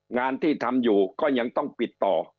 งานที่ทำอยู่ก็ยังต้องปิดต่อ